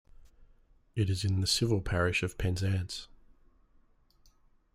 It is in the civil parish of Penzance.